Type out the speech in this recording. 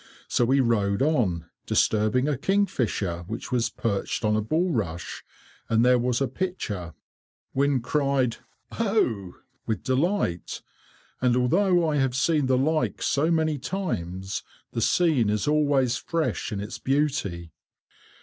So we rowed on, disturbing a kingfisher, which was perched on a bullrush, and there was a picture. Wynne cried, "OH!" with delight, and, although I have seen the like so many times, the scene is always fresh in its beauty.